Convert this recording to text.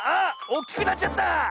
おっきくなっちゃった！